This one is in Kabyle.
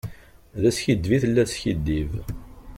D askiddeb i tella tiskiddib.